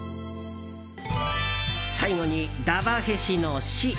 最後に「だ・わ・へ・し」の「し」。